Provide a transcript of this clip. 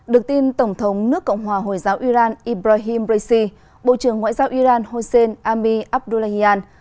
được tin tổng thống nước cộng hòa hồi giáo iran ibrahim raisi bộ trưởng ngoại giao iran hossein ami abdullahian